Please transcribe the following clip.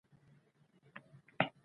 غرمه مهال لمر ډېر تود وي